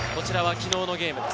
昨日のゲームです。